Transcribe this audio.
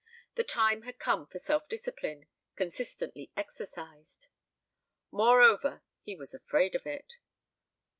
The time had come for self discipline, consistently exercised. Moreover, he was afraid of it.